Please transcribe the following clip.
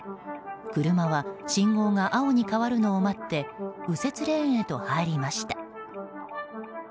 車は信号が青に変わるのを待って右折レーンへと入りました。